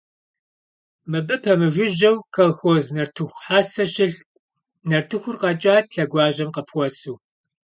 Мыбы пэмыжыжьэу колхоз нартыху хьэсэ щылът, нартыхур къэкӏат лъэгуажьэм къыпхуэсу.